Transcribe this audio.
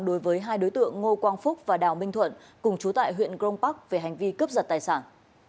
đối với hai đối tượng ngô quang phúc và đào minh thuận cùng chú tại huyện grong park về hành vi cướp giật tài sản